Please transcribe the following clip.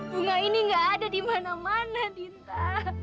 bunga ini nggak ada di mana mana dinta